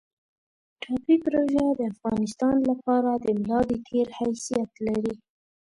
ټاپي پروژه د افغانستان لپاره د ملا د تیر حیثیت لري